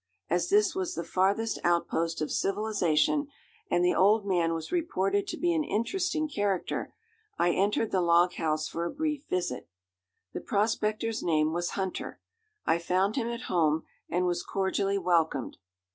As this was the farthest outpost of civilization, and the old man was reported to be an interesting character, I entered the log house for a brief visit. The prospector's name was Hunter. I found him at home and was cordially welcomed.